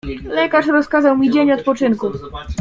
"Lekarz rozkazał mi dzień odpoczynku."